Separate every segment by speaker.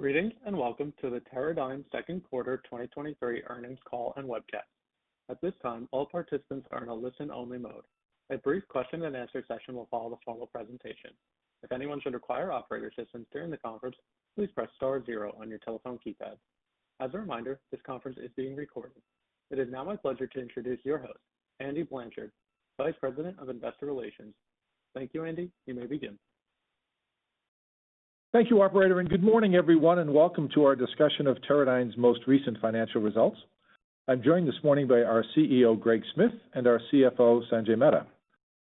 Speaker 1: Greetings, welcome to the Teradyne second quarter 2023 earnings call and webcast. At this time, all participants are in a listen-only mode. A brief question and answer session will follow the formal presentation. If anyone should require operator assistance during the conference, please press star zero on your telephone keypad. As a reminder, this conference is being recorded. It is now my pleasure to introduce your host, Andy Blanchard, Vice President of Investor Relations. Thank you, Andy. You may begin.
Speaker 2: Thank you, operator. Good morning, everyone, and welcome to our discussion of Teradyne's most recent financial results. I'm joined this morning by our CEO, Greg Smith, and our CFO, Sanjay Mehta.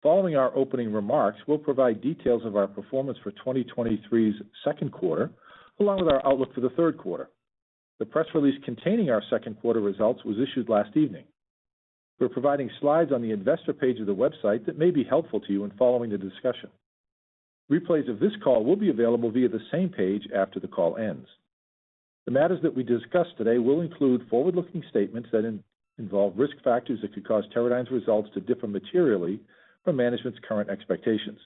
Speaker 2: Following our opening remarks, we'll provide details of our performance for 2023's second quarter, along with our outlook for the third quarter. The press release containing our second quarter results was issued last evening. We're providing slides on the investor page of the website that may be helpful to you in following the discussion. Replays of this call will be available via the same page after the call ends. The matters that we discuss today will include forward-looking statements that involve risk factors that could cause Teradyne's results to differ materially from management's current expectations.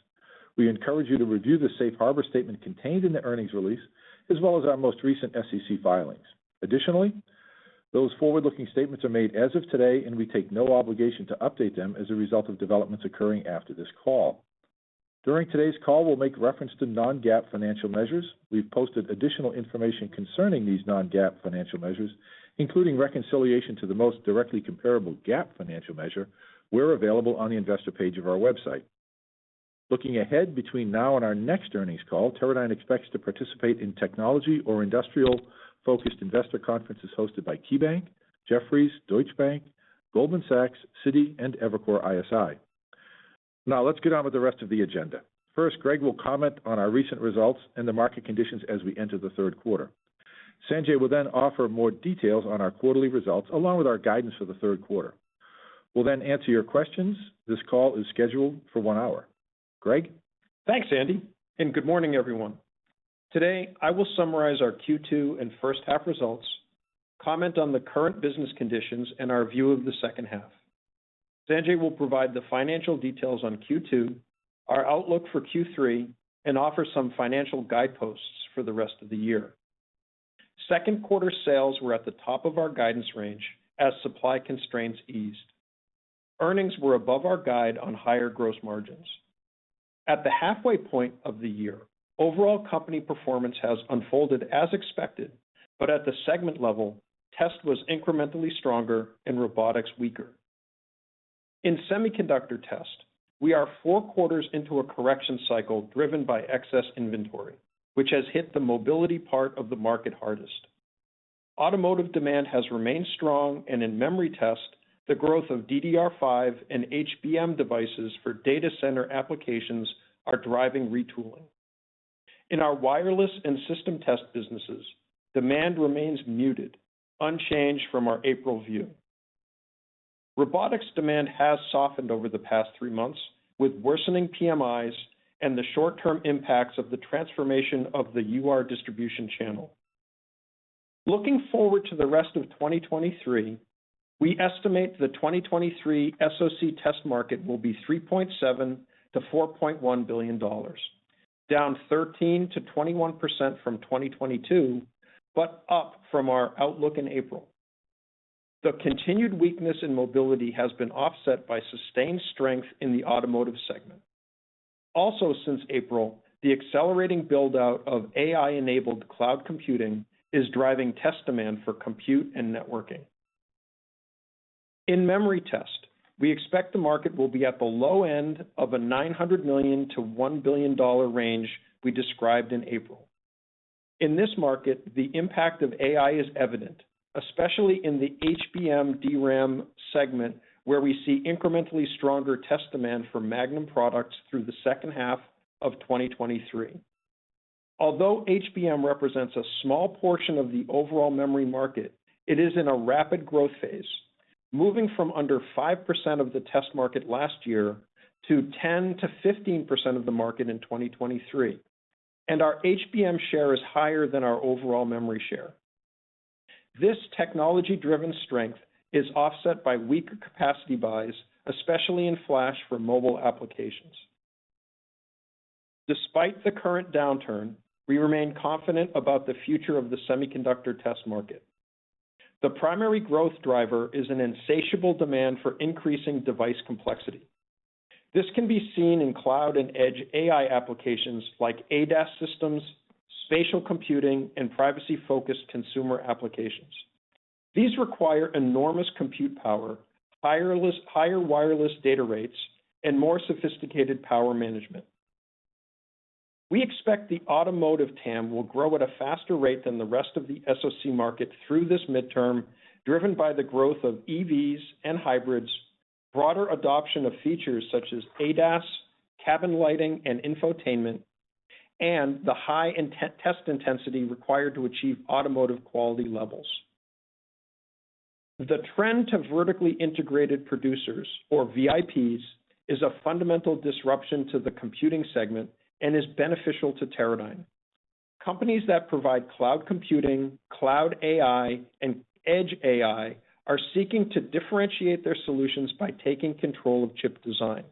Speaker 2: We encourage you to review the safe harbor statement contained in the earnings release, as well as our most recent SEC filings. Those forward-looking statements are made as of today, and we take no obligation to update them as a result of developments occurring after this call. During today's call, we'll make reference to non-GAAP financial measures. We've posted additional information concerning these non-GAAP financial measures, including reconciliation to the most directly comparable GAAP financial measure, were available on the investor page of our website. Looking ahead, between now and our next earnings call, Teradyne expects to participate in technology or industrial-focused investor conferences hosted by KeyBank, Jefferies, Deutsche Bank, Goldman Sachs, Citi, and Evercore ISI. Let's get on with the rest of the agenda. First, Greg will comment on our recent results and the market conditions as we enter the third quarter. Sanjay will then offer more details on our quarterly results, along with our guidance for the third quarter. We'll then answer your questions. This call is scheduled for one hour. Greg?
Speaker 3: Thanks, Andy. Good morning, everyone. Today, I will summarize our Q2 and first half results, comment on the current business conditions and our view of the second half. Sanjay will provide the financial details on Q2, our outlook for Q3, and offer some financial guideposts for the rest of the year. Second quarter sales were at the top of our guidance range as supply constraints eased. Earnings were above our guide on higher gross margins. At the halfway point of the year, overall company performance has unfolded as expected. At the segment level, test was incrementally stronger and robotics weaker. In Semiconductor Test, we are four quarters into a correction cycle driven by excess inventory, which has hit the mobility part of the market hardest. Automotive demand has remained strong. In memory test, the growth of DDR5 and HBM devices for data center applications are driving retooling. In our wireless and system test businesses, demand remains muted, unchanged from our April view. Robotics demand has softened over the past three months, with worsening PMIs and the short-term impacts of the transformation of the UR distribution channel. Looking forward to the rest of 2023, we estimate the 2023 SoC test market will be $3.7 billion-$4.1 billion, down 13%-21% from 2022, but up from our outlook in April. The continued weakness in mobility has been offset by sustained strength in the automotive segment. Also, since April, the accelerating build-out of AI-enabled cloud computing is driving test demand for compute and networking. In memory test, we expect the market will be at the low end of a $900 million-$1 billion range we described in April. In this market, the impact of AI is evident, especially in the HBM DRAM segment, where we see incrementally stronger test demand for Magnum products through the second half of 2023. Although HBM represents a small portion of the overall memory market, it is in a rapid growth phase, moving from under 5% of the test market last year to 10%-15% of the market in 2023, and our HBM share is higher than our overall memory share. This technology-driven strength is offset by weaker capacity buys, especially in flash for mobile applications. Despite the current downturn, we remain confident about the future of the Semiconductor Test market. The primary growth driver is an insatiable demand for increasing device complexity. This can be seen in cloud and edge AI applications like ADAS systems, spatial computing, and privacy-focused consumer applications. These require enormous compute power, higher wireless data rates, and more sophisticated power management. We expect the automotive TAM will grow at a faster rate than the rest of the SoC market through this midterm, driven by the growth of EVs and hybrids, broader adoption of features such as ADAS, cabin lighting, and infotainment, and the high test intensity required to achieve automotive quality levels. The trend to Vertically Integrated Producers, or VIPs, is a fundamental disruption to the computing segment and is beneficial to Teradyne. Companies that provide cloud computing, cloud AI, and edge AI are seeking to differentiate their solutions by taking control of chip design.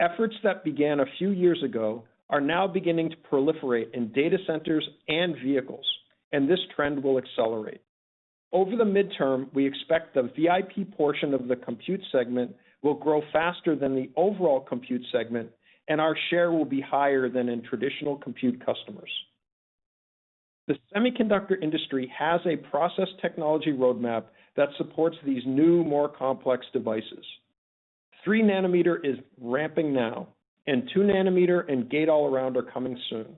Speaker 3: Efforts that began a few years ago are now beginning to proliferate in data centers and vehicles, and this trend will accelerate. Over the midterm, we expect the VIP portion of the compute segment will grow faster than the overall compute segment, and our share will be higher than in traditional compute customers. The semiconductor industry has a process technology roadmap that supports these new, more complex devices. 3 nanometer is ramping now, and 2 nanometer and Gate-All-Around are coming soon.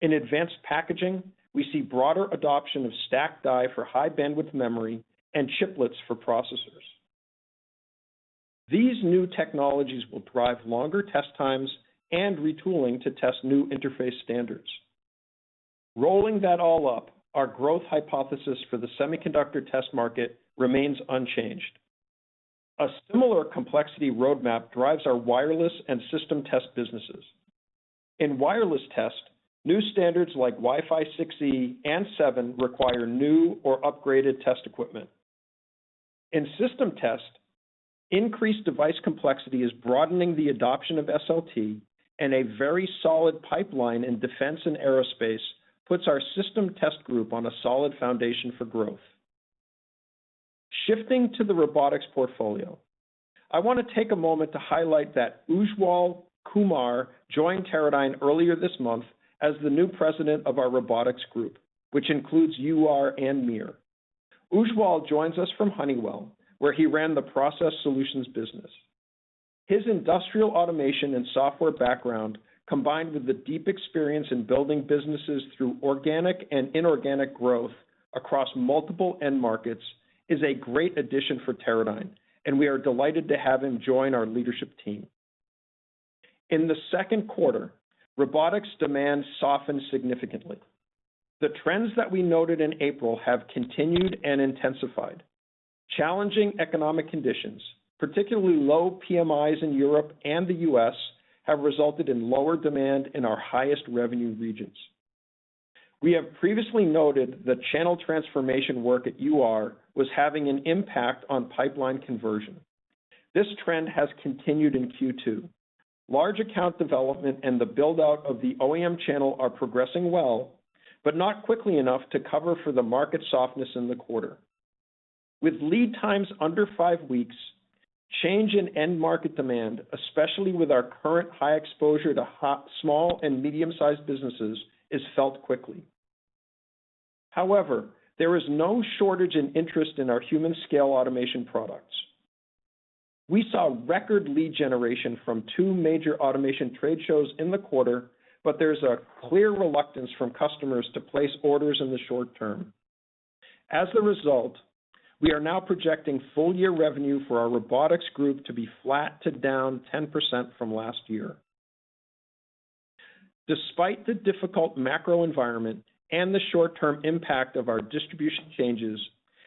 Speaker 3: In advanced packaging, we see broader adoption of stacked die for high-bandwidth memory and chiplets for processors. These new technologies will drive longer test times and retooling to test new interface standards. Rolling that all up, our growth hypothesis for the Semiconductor Test market remains unchanged. A similar complexity roadmap drives our wireless and system test businesses. In wireless test, new standards like Wi-Fi 6E and 7 require new or upgraded test equipment. In system test, increased device complexity is broadening the adoption of SLT. A very solid pipeline in defense and aerospace puts our System Test Group on a solid foundation for growth. Shifting to the robotics portfolio, I want to take a moment to highlight that Ujjwal Kumar joined Teradyne earlier this month as the new president of our robotics group, which includes UR and MiR. Ujjwal joins us from Honeywell, where he ran the process solutions business. His industrial automation and software background, combined with the deep experience in building businesses through organic and inorganic growth across multiple end markets, is a great addition for Teradyne. We are delighted to have him join our leadership team. In the second quarter, robotics demand softened significantly. The trends that we noted in April have continued and intensified. Challenging economic conditions, particularly low PMIs in Europe and the US, have resulted in lower demand in our highest revenue regions. We have previously noted that channel transformation work at UR was having an impact on pipeline conversion. This trend has continued in Q2. Large account development and the build-out of the OEM channel are progressing well, but not quickly enough to cover for the market softness in the quarter. With lead times under five weeks, change in end market demand, especially with our current high exposure to small and medium-sized businesses, is felt quickly. However, there is no shortage in interest in our human scale automation products. We saw record lead generation from two major automation trade shows in the quarter, but there's a clear reluctance from customers to place orders in the short term. As a result, we are now projecting full-year revenue for our robotics group to be flat to down 10% from last year. Despite the difficult macro environment and the short-term impact of our distribution changes,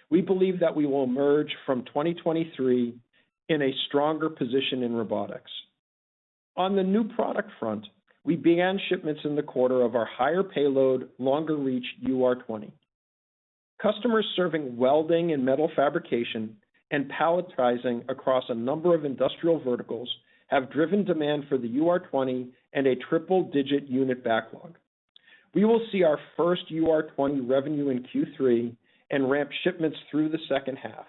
Speaker 3: we believe that we will emerge from 2023 in a stronger position in robotics. On the new product front, we began shipments in the quarter of our higher payload, longer reach UR20. Customers serving welding and metal fabrication and palletizing across a number of industrial verticals, have driven demand for the UR20 and a triple-digit unit backlog. We will see our first UR20 revenue in Q3 and ramp shipments through the second half.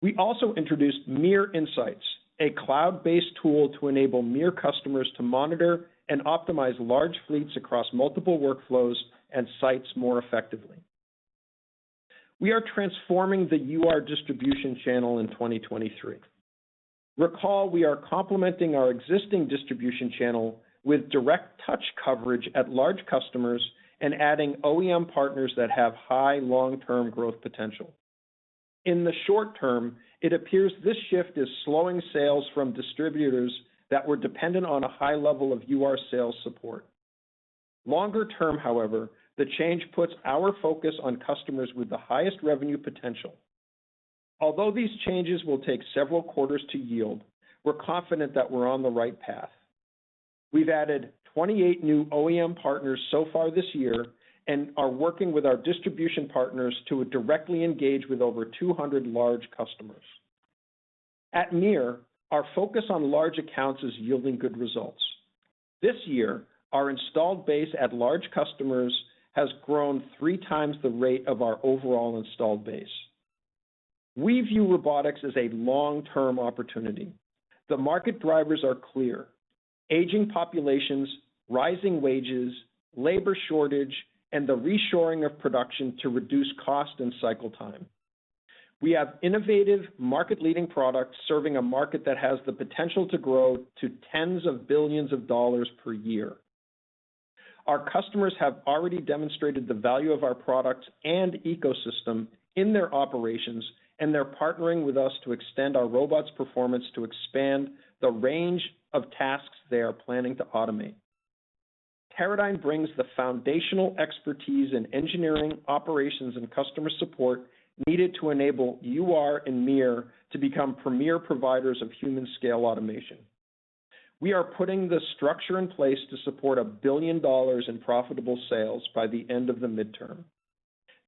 Speaker 3: We also introduced MIRSA, a cloud-based tool to enable MiR customers to monitor and optimize large fleets across multiple workflows and sites more effectively. We are transforming the UR distribution channel in 2023. Recall, we are complementing our existing distribution channel with direct touch coverage at large customers and adding OEM partners that have high long-term growth potential. In the short term, it appears this shift is slowing sales from distributors that were dependent on a high level of UR sales support. Longer term, however, the change puts our focus on customers with the highest revenue potential. Although these changes will take several quarters to yield, we're confident that we're on the right path. We've added 28 new OEM partners so far this year and are working with our distribution partners to directly engage with over 200 large customers. At MiR, our focus on large accounts is yielding good results. This year, our installed base at large customers has grown 3 times the rate of our overall installed base. We view robotics as a long-term opportunity. The market drivers are clear: aging populations, rising wages, labor shortage, and the reshoring of production to reduce cost and cycle time. We have innovative, market-leading products serving a market that has the potential to grow to tens of billions of dollars per year. Our customers have already demonstrated the value of our products and ecosystem in their operations, and they're partnering with us to extend our robots' performance to expand the range of tasks they are planning to automate. Teradyne brings the foundational expertise in engineering, operations, and customer support needed to enable UR and MiR to become premier providers of human scale automation. We are putting the structure in place to support $1 billion in profitable sales by the end of the midterm.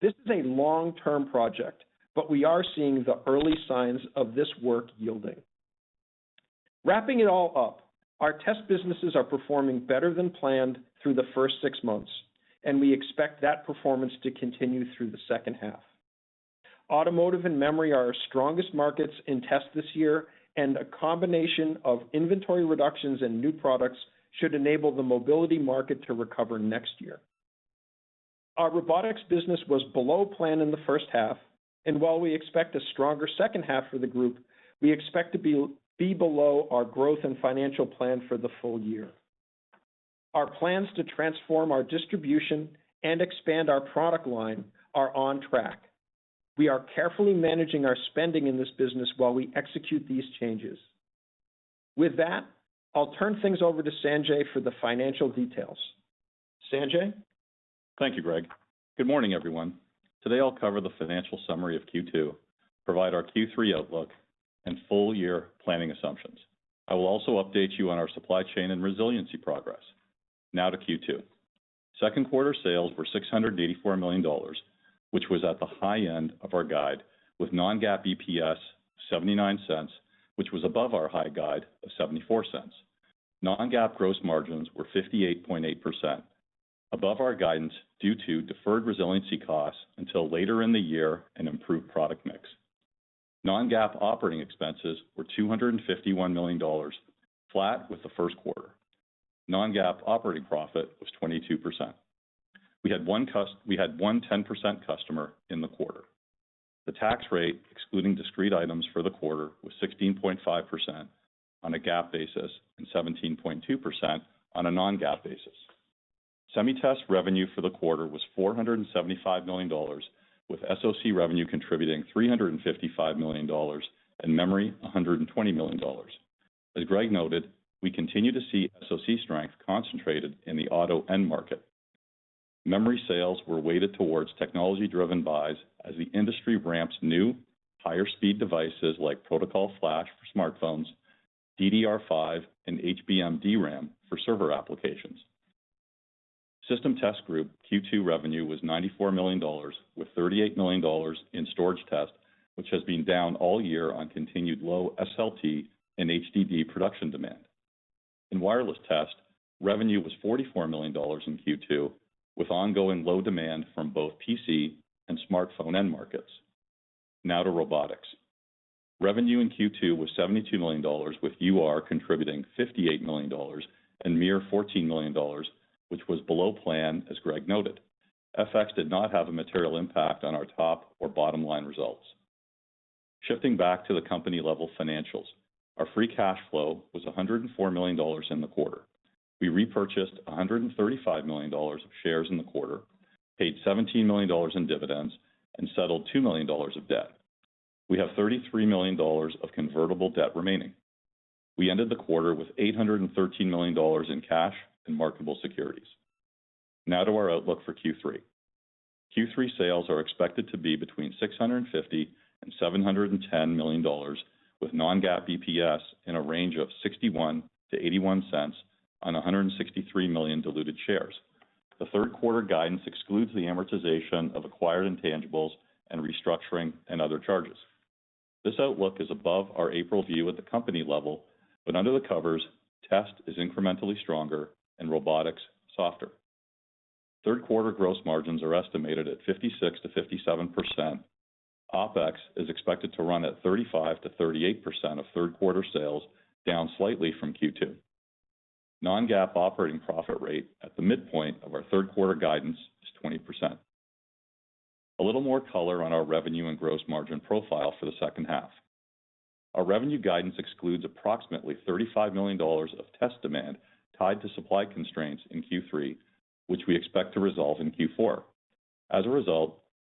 Speaker 3: This is a long-term project, but we are seeing the early signs of this work yielding. Wrapping it all up, our test businesses are performing better than planned through the first 6 months. We expect that performance to continue through the second half. Automotive and memory are our strongest markets in test this year. A combination of inventory reductions and new products should enable the mobility market to recover next year. Our robotics business was below plan in the first half. While we expect a stronger second half for the group, we expect to be below our growth and financial plan for the full year. Our plans to transform our distribution and expand our product line are on track. We are carefully managing our spending in this business while we execute these changes. With that, I'll turn things over to Sanjay for the financial details. Sanjay?
Speaker 4: Thank you, Greg. Good morning, everyone. Today, I'll cover the financial summary of Q2, provide our Q3 outlook, and full year planning assumptions. I will also update you on our supply chain and resiliency progress. Now to Q2. Second quarter sales were $684 million, which was at the high end of our guide, with non-GAAP EPS $0.79, which was above our high guide of $0.74. Non-GAAP gross margins were 58.8%, above our guidance, due to deferred resiliency costs until later in the year and improved product mix. Non-GAAP operating expenses were $251 million, flat with the first quarter. Non-GAAP operating profit was 22%. We had one 10% customer in the quarter. The tax rate, excluding discrete items for the quarter, was 16.5% on a GAAP basis and 17.2% on a non-GAAP basis. Semi-test revenue for the quarter was $475 million, with SoC revenue contributing $355 million and memory, $120 million. As Greg noted, we continue to see SoC strength concentrated in the auto end market. Memory sales were weighted towards technology-driven buys as the industry ramps new, higher-speed devices like protocol flash for smartphones, DDR5, and HBM DRAM for server applications. System Test Group Q2 revenue was $94 million, with $38 million in storage test, which has been down all year on continued low SLT and HDD production demand. In wireless test, revenue was $44 million in Q2, with ongoing low demand from both PC and smartphone end markets. Now to robotics. Revenue in Q2 was $72 million, with UR contributing $58 million and MiR $14 million, which was below plan, as Greg noted. FX did not have a material impact on our top or bottom-line results. Shifting back to the company-level financials, our free cash flow was $104 million in the quarter. We repurchased $135 million of shares in the quarter, paid $17 million in dividends, and settled $2 million of debt. We have $33 million of convertible debt remaining. We ended the quarter with $813 million in cash and marketable securities. Now to our outlook for Q3. Q3 sales are expected to be between $650 million and $710 million, with non-GAAP EPS in a range of $0.61-$0.81 on 163 million diluted shares. The third quarter guidance excludes the amortization of acquired intangibles and restructuring and other charges. This outlook is above our April view at the company level, but under the covers, Test is incrementally stronger and robotics softer. Third quarter gross margins are estimated at 56%-57%. OpEx is expected to run at 35%-38% of third quarter sales, down slightly from Q2. non-GAAP operating profit rate at the midpoint of our third quarter guidance is 20%. A little more color on our revenue and gross margin profile for the second half. Our revenue guidance excludes approximately $35 million of test demand tied to supply constraints in Q3, which we expect to resolve in Q4.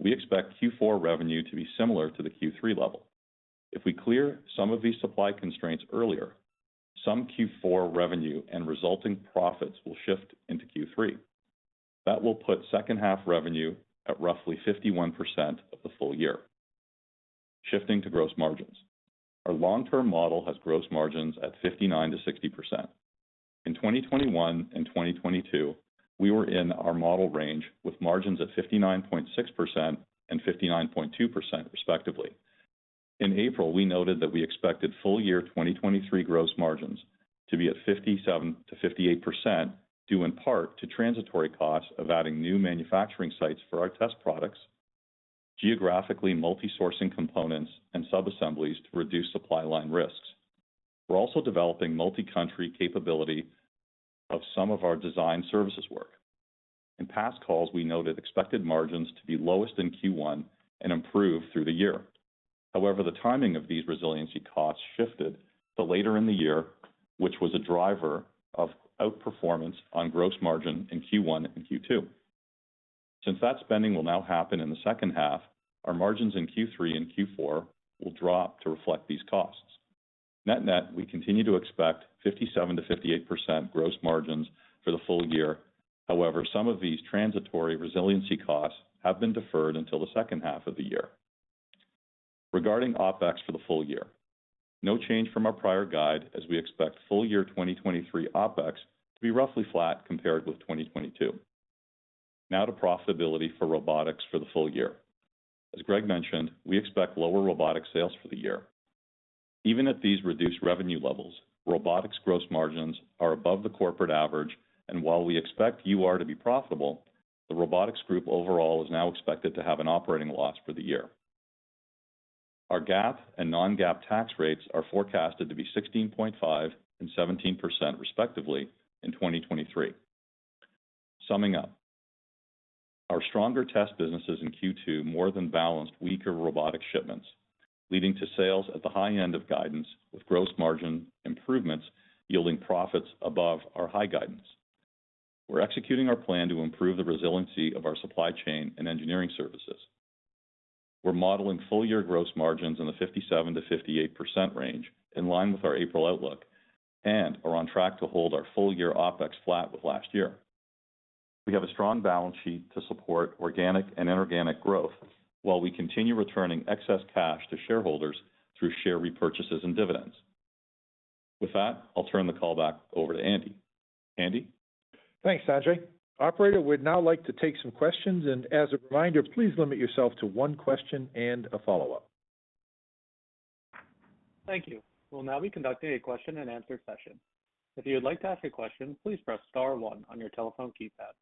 Speaker 4: We expect Q4 revenue to be similar to the Q3 level. If we clear some of these supply constraints earlier, some Q4 revenue and resulting profits will shift into Q3. That will put second half revenue at roughly 51% of the full year. Shifting to gross margins. Our long-term model has gross margins at 59%-60%. In 2021 and 2022, we were in our model range with margins at 59.6% and 59.2% respectively. In April, we noted that we expected full year 2023 gross margins to be at 57%-58%, due in part to transitory costs of adding new manufacturing sites for our test products, geographically multi-sourcing components and subassemblies to reduce supply line risks. We're also developing multi-country capability of some of our design services work. In past calls, we noted expected margins to be lowest in Q1 and improve through the year. The timing of these resiliency costs shifted to later in the year, which was a driver of outperformance on gross margin in Q1 and Q2. That spending will now happen in the second half, our margins in Q3 and Q4 will drop to reflect these costs. Net-net, we continue to expect 57%-58% gross margins for the full year. However, some of these transitory resiliency costs have been deferred until the second half of the year. Regarding OpEx for the full year, no change from our prior guide as we expect full year 2023 OpEx to be roughly flat compared with 2022. Now to profitability for robotics for the full year. As Greg mentioned, we expect lower robotic sales for the year. Even at these reduced revenue levels, robotics gross margins are above the corporate average, and while we expect UR to be profitable, the robotics group overall is now expected to have an operating loss for the year. Our GAAP and non-GAAP tax rates are forecasted to be 16.5% and 17%, respectively, in 2023. Summing up, our stronger test businesses in Q2 more than balanced weaker robotic shipments, leading to sales at the high end of guidance, with gross margin improvements yielding profits above our high guidance. We're executing our plan to improve the resiliency of our supply chain and engineering services. We're modeling full year gross margins in the 57%-58% range, in line with our April outlook, and are on track to hold our full-year OpEx flat with last year. We have a strong balance sheet to support organic and inorganic growth while we continue returning excess cash to shareholders through share repurchases and dividends. I'll turn the call back over to Andy. Andy?
Speaker 2: Thanks, Sanjay. Operator, we'd now like to take some questions, and as a reminder, please limit yourself to one question and a follow-up.
Speaker 1: Thank you. We'll now be conducting a question-and-answer session. If you would like to ask a question, please press star one on your telephone keypad.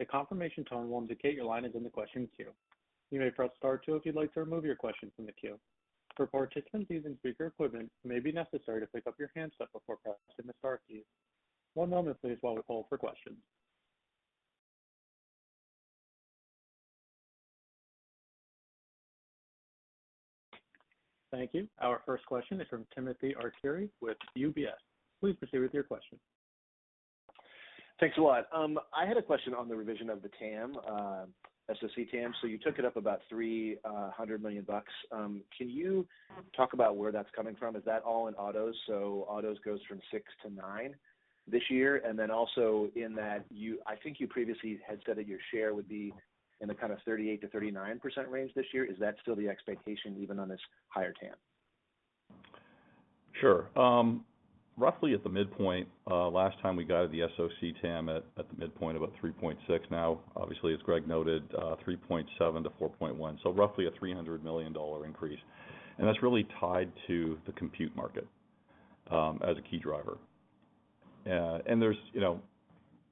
Speaker 1: A confirmation tone will indicate your line is in the question queue. You may press star two if you'd like to remove your question from the queue. For participants using speaker equipment, it may be necessary to pick up your handset before pressing the star key. One moment, please, while we call for questions. Thank you. Our first question is from Timothy Arcuri with UBS. Please proceed with your question.
Speaker 5: Thanks a lot. I had a question on the revision of the TAM, SoC TAM. You took it up about $300 million. Can you talk about where that's coming from? Is that all in autos? Autos goes from 6-9 this year, and then also in that I think you previously had said that your share would be in the kind of 38%-39% range this year. Is that still the expectation, even on this higher TAM?
Speaker 4: Sure. Roughly at the midpoint, last time we guided the SoC TAM at the midpoint about $3.6. Now, obviously, as Greg noted, $3.7-$4.1, so roughly a $300 million increase. That's really tied to the compute market as a key driver. There's, you know,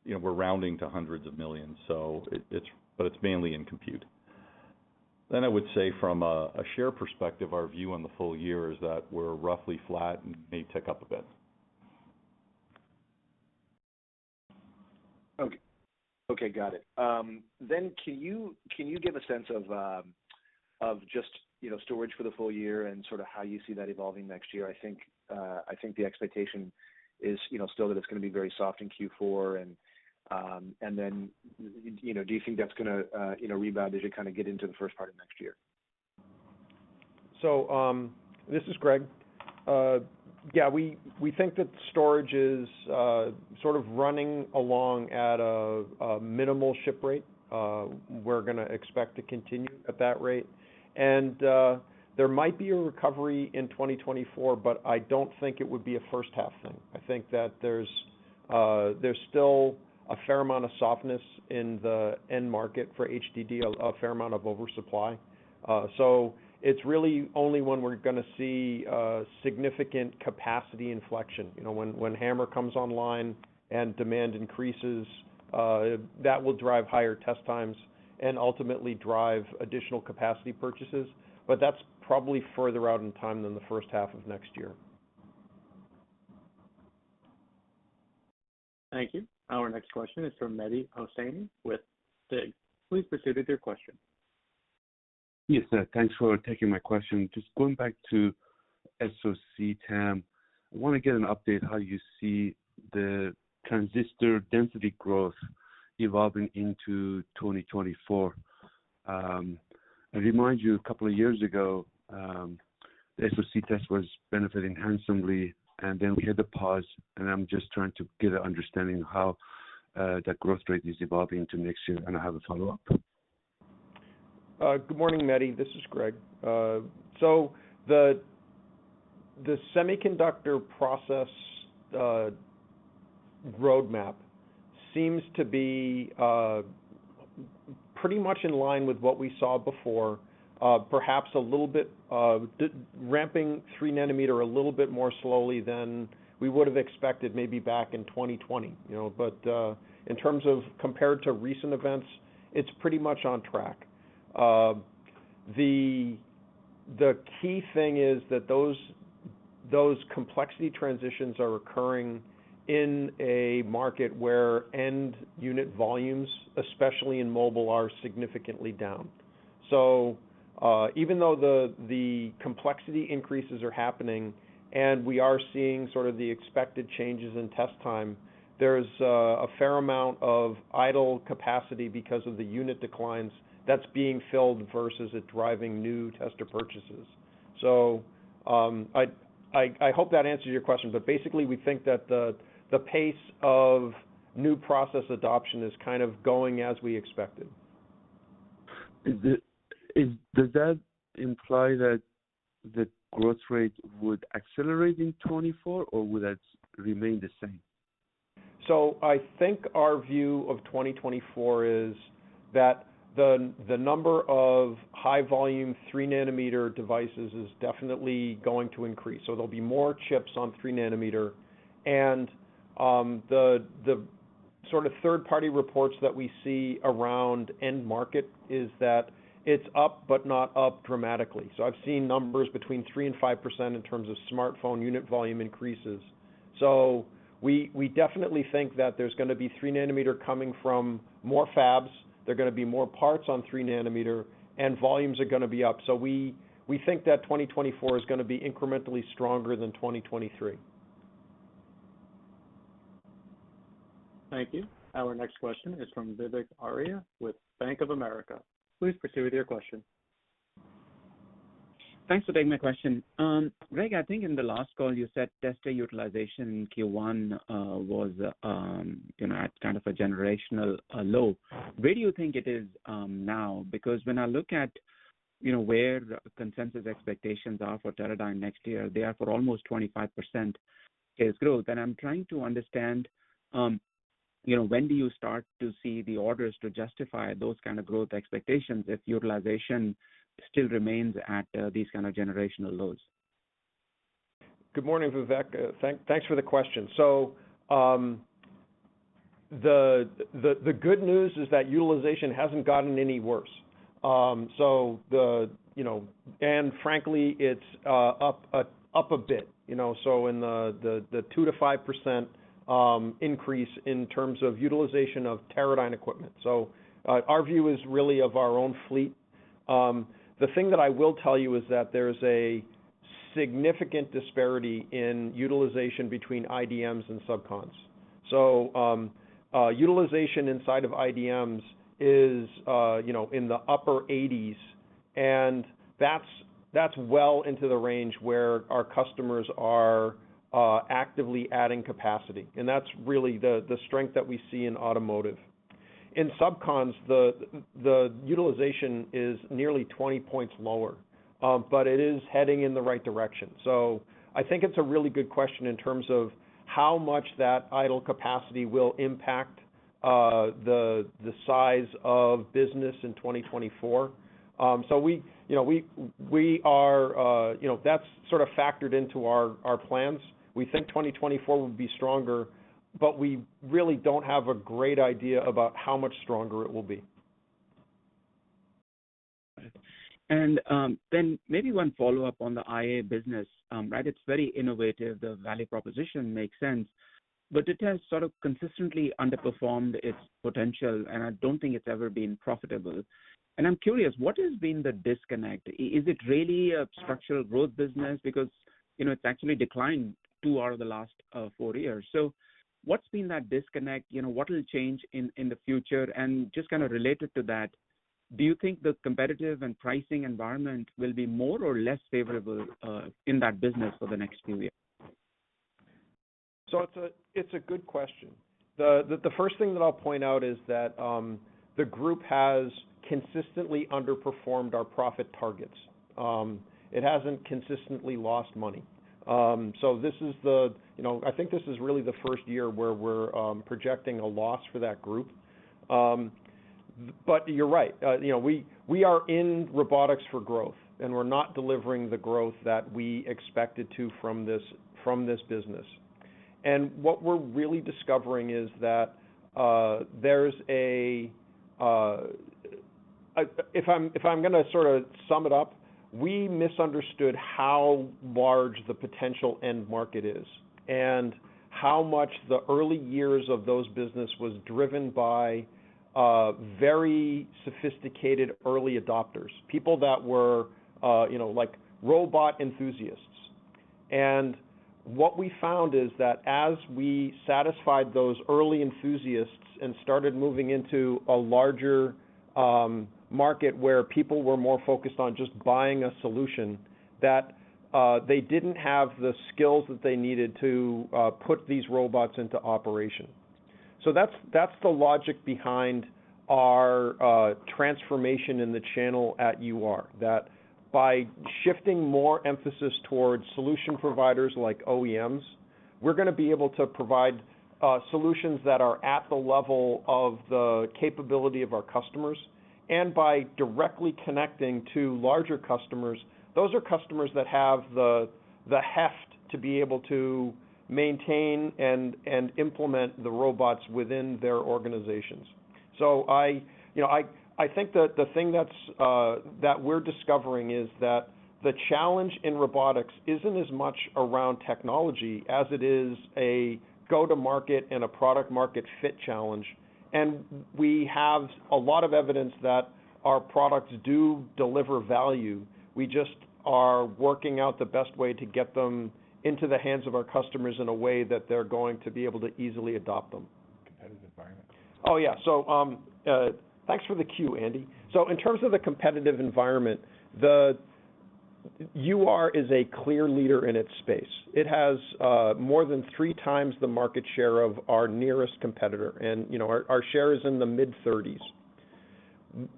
Speaker 4: we're rounding to hundreds of millions, so it's, but it's mainly in compute. I would say from a share perspective, our view on the full year is that we're roughly flat and may tick up a bit.
Speaker 5: Okay. Okay, got it. Can you give a sense of, of just, you know, storage for the full year and sort of how you see that evolving next year? I think the expectation is, you know, still that it's going to be very soft in Q4. You know, do you think that's gonna, you know, rebound as you kind of get into the first part of next year?
Speaker 3: This is Greg. Yeah, we think that storage is sort of running along at a minimal ship rate. We're gonna expect to continue at that rate. There might be a recovery in 2024, but I don't think it would be a first-half thing. I think that there's still a fair amount of softness in the end market for HDD, a fair amount of oversupply. It's really only when we're gonna see significant capacity inflection, you know, when HAMR comes online and demand increases, that will drive higher test times and ultimately drive additional capacity purchases. That's probably further out in time than the first half of next year.
Speaker 1: Thank you. Our next question is from Mehdi Hosseini with Susquehanna International Group. Please proceed with your question.
Speaker 6: Yes, thanks for taking my question. Just going back to SoC, TAM, I want to get an update how you see the transistor density growth evolving into 2024. I remind you, a couple of years ago, the SoC test was benefiting handsomely, and then we had a pause, and I'm just trying to get an understanding of how that growth rate is evolving into next year. I have a follow-up.
Speaker 3: Good morning, Mehdi. This is Greg. The semiconductor process roadmap seems to be pretty much in line with what we saw before, perhaps a little bit ramping 3 nanometer a little bit more slowly than we would have expected, maybe back in 2020, you know. In terms of compared to recent events, it's pretty much on track. The key thing is that those complexity transitions are occurring in a market where end unit volumes, especially in mobile, are significantly down. Even though the complexity increases are happening and we are seeing sort of the expected changes in test time, there's a fair amount of idle capacity because of the unit declines that's being filled versus it driving new tester purchases. I hope that answers your question, but basically, we think that the pace of new process adoption is kind of going as we expected.
Speaker 6: Does that imply that the growth rate would accelerate in 2024, or would that remain the same?
Speaker 3: I think our view of 2024 is that the, the number of high volume, 3-nanometer devices is definitely going to increase. There'll be more chips on 3 nanometer. The, the sort of third-party reports that we see around end market is that it's up, but not up dramatically. I've seen numbers between 3% and 5% in terms of smartphone unit volume increases. We, we definitely think that there's going to be 3 nanometer coming from more fabs. They're going to be more parts on 3 nanometer, and volumes are going to be up. We, we think that 2024 is going to be incrementally stronger than 2023.
Speaker 1: Thank you. Our next question is from Vivek Arya with Bank of America. Please proceed with your question.
Speaker 7: Thanks for taking my question. Greg, I think in the last call, you said tester utilization in Q1 was, you know, at kind of a generational low. Where do you think it is now? Because when I look at, you know, where the consensus expectations are for Teradyne next year, they are for almost 25% is growth. I'm trying to understand, you know, when do you start to see the orders to justify those kind of growth expectations if utilization still remains at these kind of generational lows?
Speaker 3: Good morning, Vivek. Thanks for the question. The good news is that utilization hasn't gotten any worse. Frankly, it's up a bit, you know, in the 2%-5% increase in terms of utilization of Teradyne equipment. Our view is really of our own fleet. The thing that I will tell you is that there's a significant disparity in utilization between IDMs and subcons. Utilization inside of IDMs is, you know, in the upper 80s, and that's well into the range where our customers are actively adding capacity, and that's really the strength that we see in automotive. In subcons, the utilization is nearly 20 points lower, but it is heading in the right direction. I think it's a really good question in terms of how much that idle capacity will impact the size of business in 2024. We, you know, we, we are, you know, that's sort of factored into our plans. We think 2024 will be stronger, but we really don't have a great idea about how much stronger it will be.
Speaker 7: Then maybe one follow-up on the IA business, right? It's very innovative. The value proposition makes sense, but it has sort of consistently underperformed its potential, and I don't think it's ever been profitable. I'm curious, what has been the disconnect? Is it really a structural growth business? Because, you know, it's actually declined 2 out of the last 4 years. What's been that disconnect? You know, what will change in, in the future? Just kind of related to that, do you think the competitive and pricing environment will be more or less favorable in that business for the next few years?
Speaker 3: It's a good question. The first thing that I'll point out is that the group has consistently underperformed our profit targets. It hasn't consistently lost money. This is the, you know, I think this is really the first year where we're projecting a loss for that group. You're right. You know, we are in robotics for growth, and we're not delivering the growth that we expected to from this business. What we're really discovering is that there's a. If I'm going to sort of sum it up, we misunderstood how large the potential end market is and how much the early years of those business was driven by very sophisticated early adopters, people that were, you know, like robot enthusiasts. What we found is that as we satisfied those early enthusiasts and started moving into a larger market where people were more focused on just buying a solution that they didn't have the skills that they needed to put these robots into operation. That's, that's the logic behind our transformation in the channel at UR, that by shifting more emphasis towards solution providers like OEMs, we're going to be able to provide solutions that are at the level of the capability of our customers. By directly connecting to larger customers, those are customers that have the heft to be able to maintain and implement the robots within their organizations. I, you know, I, I think that the thing that's that we're discovering is that the challenge in robotics isn't as much around technology as it is a go-to-market and a product-market fit challenge. We have a lot of evidence that our products do deliver value. We just are working out the best way to get them into the hands of our customers in a way that they're going to be able to easily adopt them. Competitive environment? Oh, yeah. Thanks for the cue, Andy. In terms of the competitive environment, UR is a clear leader in its space. It has more than 3 times the market share of our nearest competitor, and, you know, our, our share is in the mid-30s.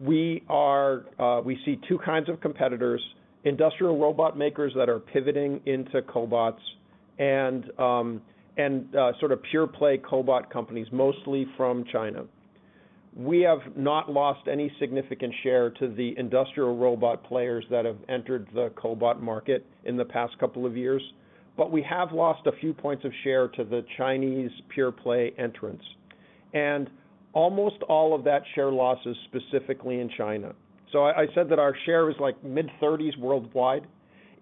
Speaker 3: We are, we see two kinds of competitors: industrial robot makers that are pivoting into cobots, and, and sort of pure-play cobot companies, mostly from China. We have not lost any significant share to the industrial robot players that have entered the cobot market in the past couple of years, but we have lost a few points of share to the Chinese pure-play entrants. Almost all of that share loss is specifically in China. I said that our share is, like, mid-thirties worldwide.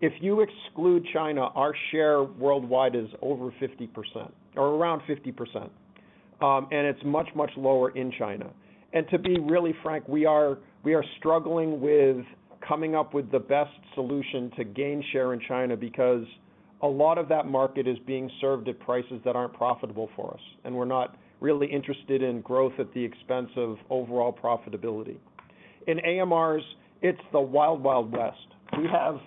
Speaker 3: If you exclude China, our share worldwide is over 50% or around 50%, and it's much, much lower in China. To be really frank, we are struggling with coming up with the best solution to gain share in China because a lot of that market is being served at prices that aren't profitable for us. We're not really interested in growth at the expense of overall profitability. In AMRs, it's the Wild, Wild West. We have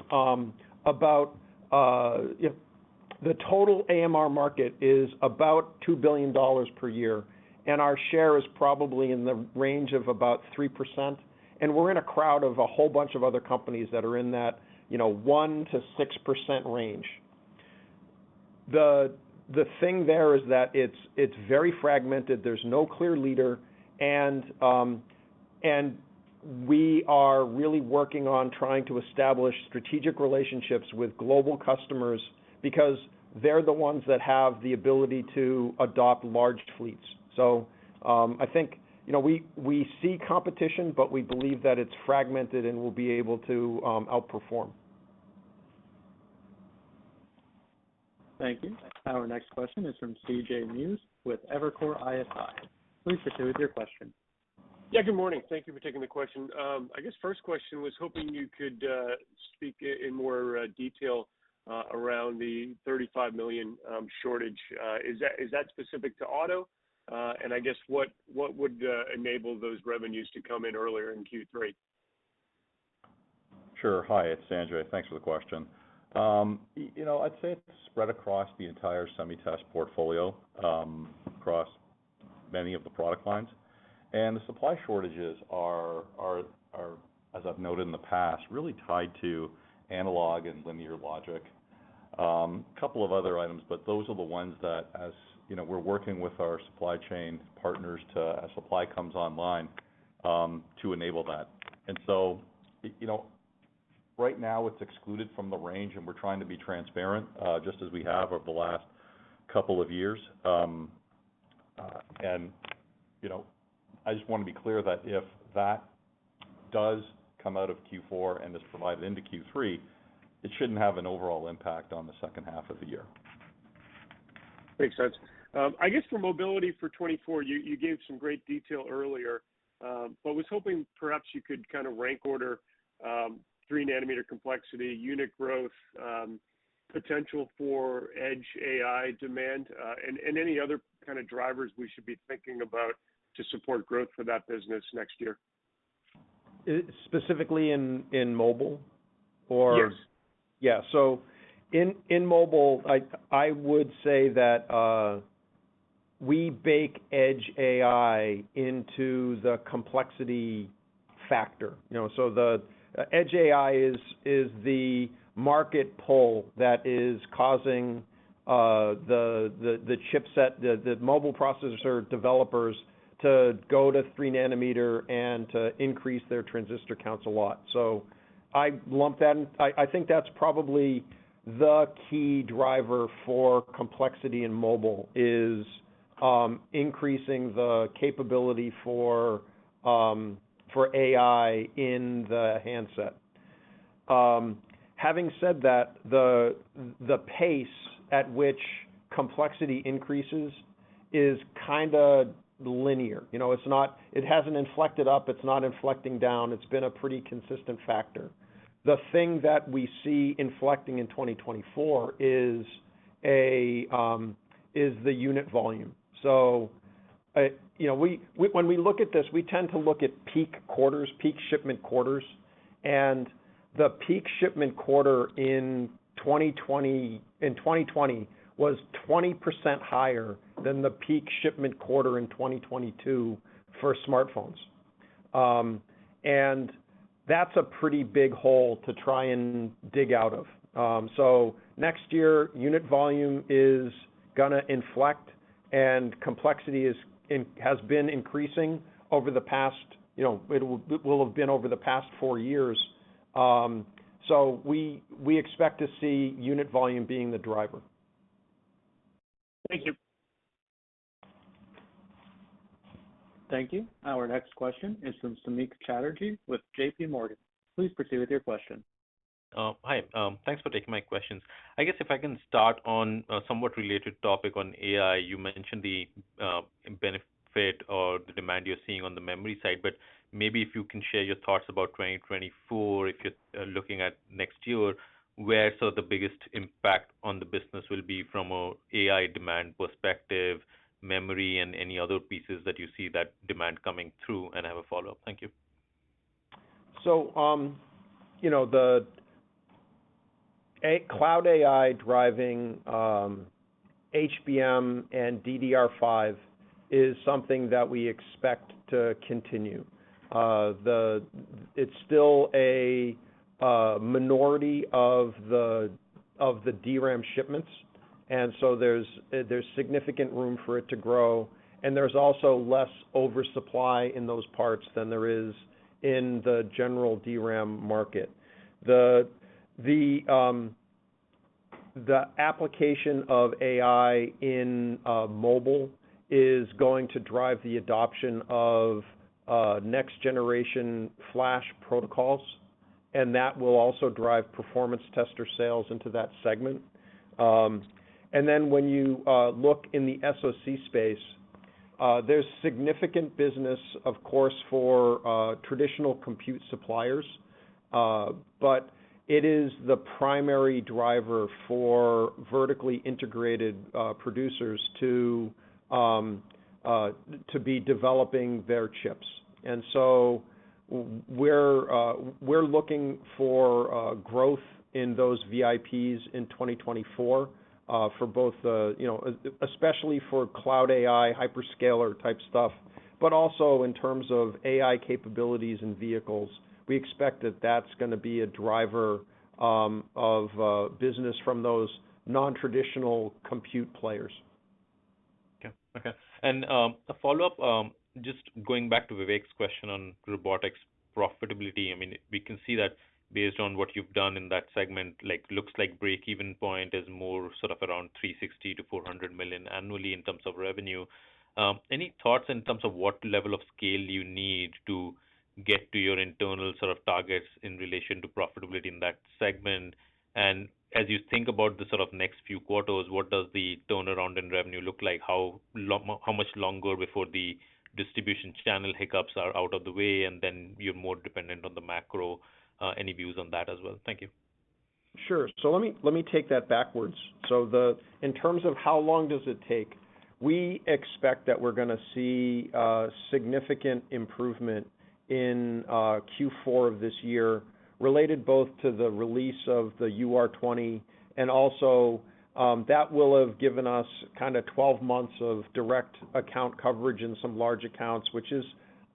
Speaker 3: about the total AMR market is about $2 billion per year, and our share is probably in the range of about 3%. We're in a crowd of a whole bunch of other companies that are in that, you know, 1%-6% range. The thing there is that it's very fragmented, there's no clear leader, and we are really working on trying to establish strategic relationships with global customers because they're the ones that have the ability to adopt large fleets. I think, you know, we see competition, but we believe that it's fragmented and we'll be able to outperform.
Speaker 1: Thank you. Our next question is from C.J. Muse with Evercore ISI. Please proceed with your question.
Speaker 8: Yeah, good morning. Thank you for taking the question. I guess first question was hoping you could speak in more detail around the $35 million shortage. Is that specific to auto? I guess what would enable those revenues to come in earlier in Q3?
Speaker 3: Sure. Hi, it's Sanjay. Thanks for the question. you know, I'd say it's spread across the entire SemiTest portfolio, across many of the product lines. The supply shortages are, as I've noted in the past, really tied to analog and linear logic. Couple of other items, those are the ones that as, you know, we're working with our supply chain partners to, as supply comes online, to enable that. you know, right now it's excluded from the range, and we're trying to be transparent, just as we have over the last couple of years. you know, I just want to be clear that if that does come out of Q4 and is provided into Q3, it shouldn't have an overall impact on the second half of the year.
Speaker 8: Makes sense. I guess for mobility for 2024, you gave some great detail earlier, was hoping perhaps you could kind of rank order, 3 nanometer complexity, unit growth, potential for edge AI demand, and any other kind of drivers we should be thinking about to support growth for that business next year?
Speaker 3: Specifically in mobile.
Speaker 8: Yes.
Speaker 3: Yeah. In mobile, I would say that we bake edge AI into the complexity factor. You know, the edge AI is the market pull that is causing the chipset, the mobile processor developers to go to 3 nanometer and to increase their transistor counts a lot. I lump that in. I think that's probably the key driver for complexity in mobile, is increasing the capability for AI in the handset. Having said that, the pace at which complexity increases is kind of linear. You know, it hasn't inflected up, it's not inflecting down. It's been a pretty consistent factor. The thing that we see inflecting in 2024 is a unit volume. you know, when we look at this, we tend to look at peak quarters, peak shipment quarters, and the peak shipment quarter in 2020, in 2020 was 20% higher than the peak shipment quarter in 2022 for smartphones. That's a pretty big hole to try and dig out of. Next year, unit volume is going to inflect, and complexity has been increasing over the past, you know, it will have been over the past 4 years. We expect to see unit volume being the driver.
Speaker 8: Thank you.
Speaker 1: Thank you. Our next question is from Samik Chatterjee with JPMorgan. Please proceed with your question.
Speaker 9: Hi. Thanks for taking my questions. I guess if I can start on a somewhat related topic on AI, you mentioned the benefit or the demand you're seeing on the memory side, but maybe if you can share your thoughts about 2024, if you're looking at next year, where sort of the biggest impact on the business will be from an AI demand perspective, memory, and any other pieces that you see that demand coming through? I have a follow-up. Thank you.
Speaker 3: You know, the cloud AI driving HBM and DDR5 is something that we expect to continue. It's still a minority of the, of the DRAM shipments, there's significant room for it to grow, and there's also less oversupply in those parts than there is in the general DRAM market. The application of AI in mobile is going to drive the adoption of next-generation flash protocols, and that will also drive performance tester sales into that segment. When you look in the SoC space, there's significant business, of course, for traditional compute suppliers, but it is the primary driver for Vertically Integrated Producers to be developing their chips. We're looking for growth in those VIPs in 2024 for both the, you know, especially for cloud AI, hyperscaler-type stuff, but also in terms of AI capabilities and vehicles. We expect that that's gonna be a driver of business from those non-traditional compute players.
Speaker 9: Okay. Okay. A follow-up, just going back to Vivek's question on robotics profitability. I mean, we can see that based on what you've done in that segment, like, looks like breakeven point is more sort of around $360 million-$400 million annually in terms of revenue. Any thoughts in terms of what level of scale you need to get to your internal sort of targets in relation to profitability in that segment? As you think about the sort of next few quarters, what does the turnaround in revenue look like? How much longer before the distribution channel hiccups are out of the way, and then you're more dependent on the macro? Any views on that as well? Thank you.
Speaker 3: Sure. Let me take that backwards. In terms of how long does it take, we expect that we're gonna see significant improvement in Q4 of this year, related both to the release of the UR20, and also, that will have given us kind of 12 months of direct account coverage in some large accounts, which is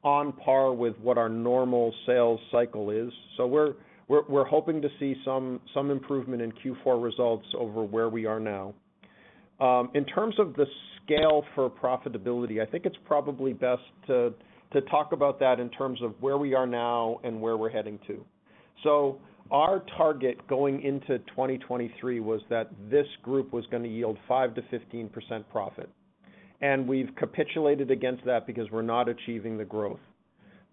Speaker 3: on par with what our normal sales cycle is. We're hoping to see some improvement in Q4 results over where we are now. In terms of the scale for profitability, I think it's probably best to talk about that in terms of where we are now and where we're heading to. Our target going into 2023 was that this group was going to yield 5%-15% profit, and we've capitulated against that because we're not achieving the growth.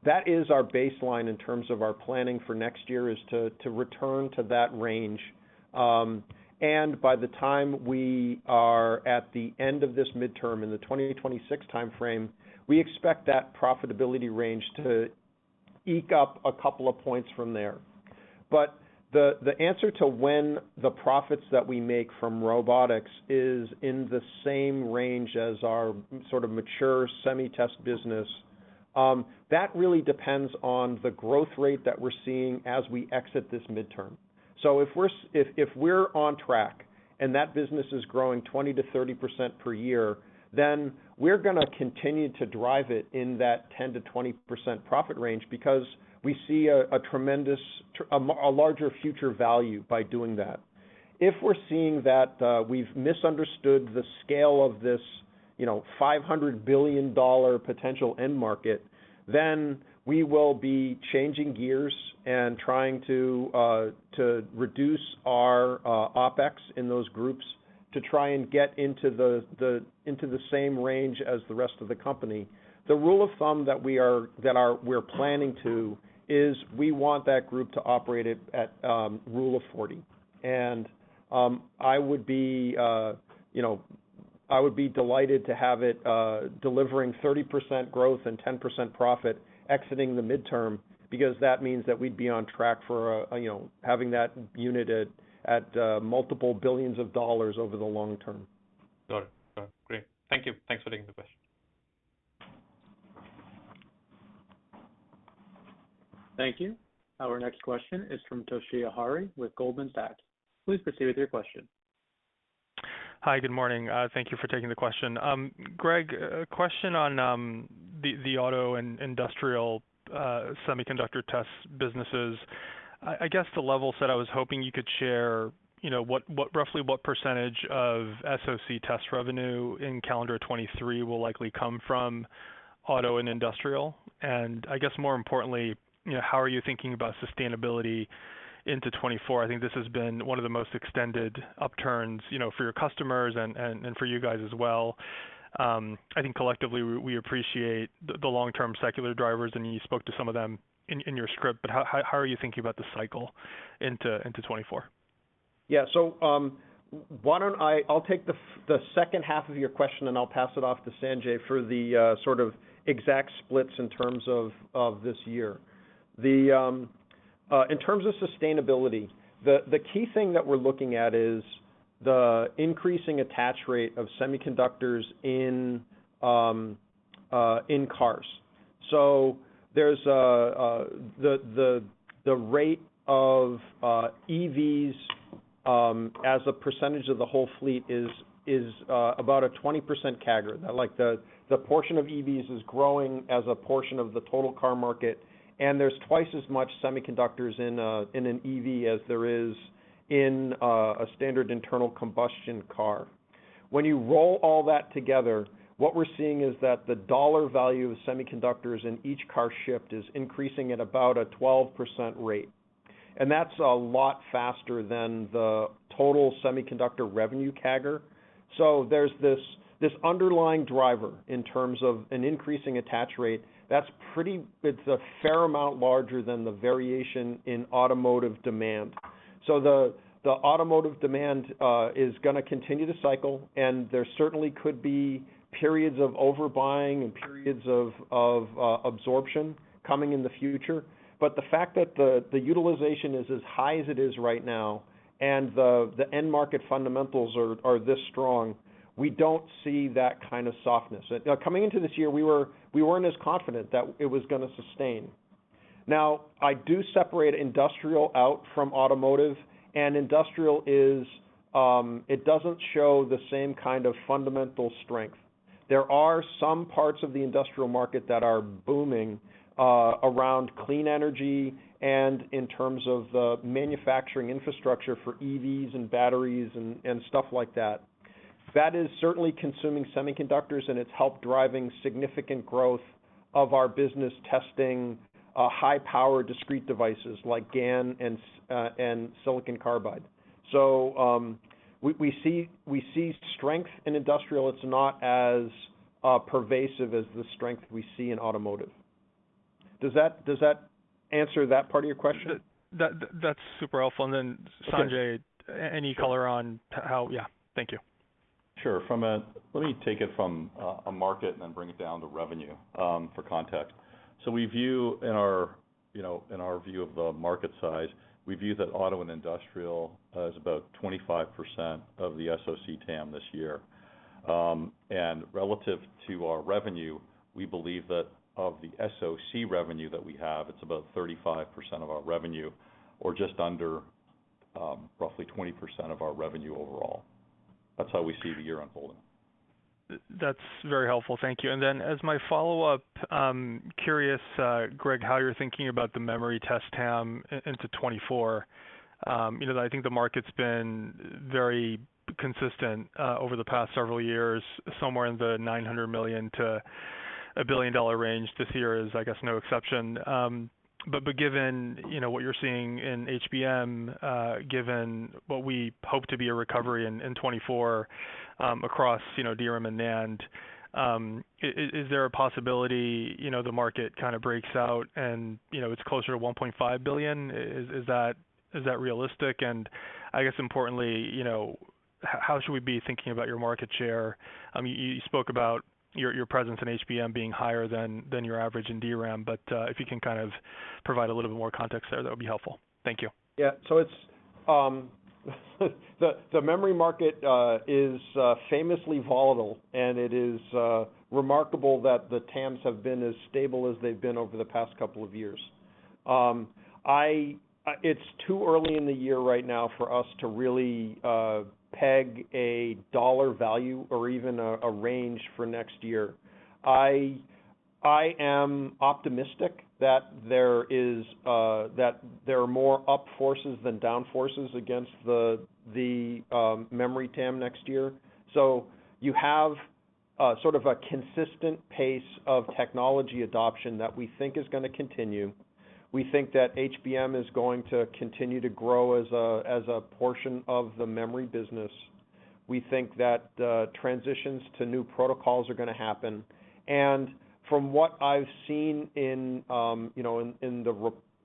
Speaker 3: That is our baseline in terms of our planning for next year, is to, to return to that range. By the time we are at the end of this midterm in the 2020-2026 time frame, we expect that profitability range to eke up a couple of points from there. The, the answer to when the profits that we make from robotics is in the same range as our sort of mature Semi-Test business, that really depends on the growth rate that we're seeing as we exit this midterm. If we're on track and that business is growing 20%-30% per year, then we're gonna continue to drive it in that 10%-20% profit range because we see a tremendous, a larger future value by doing that. If we're seeing that we've misunderstood the scale of this, you know, $500 billion potential end market, then we will be changing gears and trying to reduce our OpEx in those groups, to try and get into the same range as the rest of the company. The rule of thumb We're planning to, is we want that group to operate at Rule of 40. I would be, you know, I would be delighted to have it delivering 30% growth and 10% profit exiting the midterm, because that means that we'd be on track for, you know, having that unit at multiple billions of dollars over the long term.
Speaker 9: Got it. Great. Thank you. Thanks for taking the question.
Speaker 1: Thank you. Our next question is from Toshiya Hari with Goldman Sachs. Please proceed with your question.
Speaker 10: Hi, good morning. Thank you for taking the question. Greg, a question on the auto and industrial Semiconductor Test businesses. I guess the level said I was hoping you could share, you know, roughly what % of SoC test revenue in calendar 2023 will likely come from auto and industrial? I guess, more importantly, you know, how are you thinking about sustainability into 2024? I think this has been one of the most extended upturns, you know, for your customers and for you guys as well. I think collectively, we appreciate the long-term secular drivers, and you spoke to some of them in your script, but how are you thinking about the cycle into 2024?
Speaker 3: Yeah. Why don't I'll take the second half of your question, and I'll pass it off to Sanjay for the sort of exact splits in terms of this year. In terms of sustainability, the key thing that we're looking at is the increasing attach rate of semiconductors in cars. There's a the rate of EVs as a percentage of the whole fleet is about a 20% CAGR. Like, the portion of EVs is growing as a portion of the total car market, and there's twice as much semiconductors in an EV as there is in a standard internal combustion car. When you roll all that together, what we're seeing is that the dollar value of semiconductors in each car shipped is increasing at about a 12% rate. That's a lot faster than the total semiconductor revenue CAGR. There's this underlying driver in terms of an increasing attach rate that's pretty, it's a fair amount larger than the variation in automotive demand. The automotive demand is going to continue to cycle. There certainly could be periods of overbuying and periods of absorption coming in the future. The fact that the utilization is as high as it is right now and the end market fundamentals are this strong, we don't see that kind of softness. Now, coming into this year, we weren't as confident that it was going to sustain. I do separate industrial out from automotive, and industrial is, it doesn't show the same kind of fundamental strength. There are some parts of the industrial market that are booming around clean energy and in terms of the manufacturing infrastructure for EVs and batteries and stuff like that. That is certainly consuming semiconductors, and it's helped driving significant growth of our business testing high-power discrete devices like GaN and silicon carbide. We see strength in industrial. It's not as pervasive as the strength we see in automotive. Does that answer that part of your question?
Speaker 10: That's super helpful.
Speaker 3: Okay.
Speaker 10: Sanjay, any color on how. Yeah, thank you.
Speaker 4: Sure. Let me take it from a market and then bring it down to revenue for context. We view in our, you know, in our view of the market size, we view that auto and industrial as about 25% of the SoC TAM this year. Relative to our revenue, we believe that of the SoC revenue that we have, it's about 35% of our revenue, or just under, roughly 20% of our revenue overall. That's how we see the year unfolding.
Speaker 10: That's very helpful. Thank you. As my follow-up, curious, Greg, how you're thinking about the memory test TAM into 2024. You know, I think the market's been very consistent over the past several years, somewhere in the $900 million to a $1 billion range. This year is, I guess, no exception. But given, you know, what you're seeing in HBM, given what we hope to be a recovery in 2024, across, you know, DRAM and NAND, is there a possibility, you know, the market kind of breaks out and, you know, it's closer to $1.5 billion? Is that realistic? I guess importantly, you know, how should we be thinking about your market share? I mean, you spoke about your presence in HBM being higher than your average in DRAM, but if you can kind of provide a little bit more context there, that would be helpful. Thank you.
Speaker 3: It's the memory market is famously volatile, and it is remarkable that the TAMs have been as stable as they've been over the past couple of years. It's too early in the year right now for us to really peg a dollar value or even a range for next year. I am optimistic that there is that there are more up forces than down forces against the memory TAM next year. You have sort of a consistent pace of technology adoption that we think is going to continue. We think that HBM is going to continue to grow as a portion of the memory business. We think that transitions to new protocols are going to happen. From what I've seen in, you know, in